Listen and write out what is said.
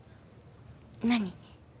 何？